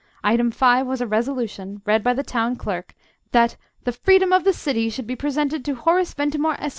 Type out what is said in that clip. Item 5 was a resolution, read by the Town Clerk, that "the freedom of the City should be presented to Horace Ventimore, Esq.